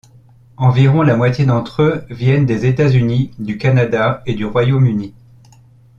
Environ la moitié d'entre eux viennent des États-Unis, du Canada et du Royaume-Uni.